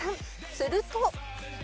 すると